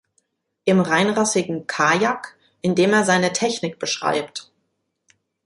Im reinrassigen Kajak", in dem er seine Technik beschreibt.